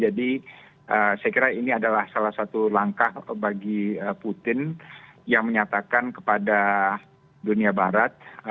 saya kira ini adalah salah satu langkah bagi putin yang menyatakan kepada dunia barat